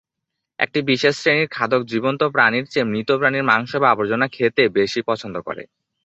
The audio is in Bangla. একটি বিশেষ শ্রেণির খাদক জীবন্ত প্রাণীর চেয়ে মৃত প্রাণীর মাংস বা আবর্জনা খেতে বেশি পছন্দ করে।